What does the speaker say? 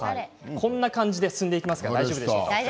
こんな感じで進んでいきますが大丈夫ですか。